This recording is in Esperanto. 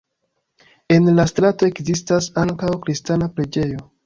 En la strato ekzistas ankaŭ kristana preĝejo.